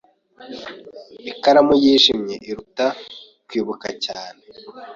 Ikaramu yijimye iruta kwibuka cyane.